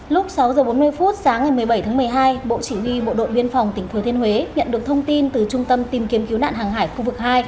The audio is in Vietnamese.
lúc sáu h bốn mươi phút sáng ngày một mươi bảy tháng một mươi hai bộ chỉ huy bộ đội biên phòng tỉnh thừa thiên huế nhận được thông tin từ trung tâm tìm kiếm cứu nạn hàng hải khu vực hai